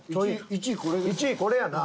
１位これやな。